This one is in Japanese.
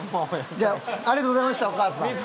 じゃあありがとうございましたお母さん。